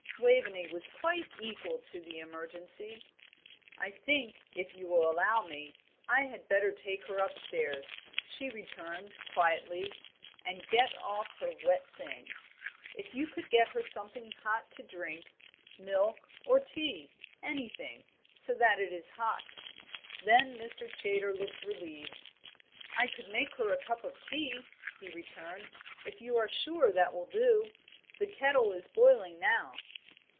Waveney was quite equal to the emergency. "I think, if you will allow me, I had better take her upstairs," she returned, quietly, "and get off her wet things. And if you could get her something hot to drink milk, or tea anything, so that it is hot." Then Mr. Chaytor looked relieved. "I could make her a cup of tea," he returned, "if you are sure that will do. The kettle is boiling now."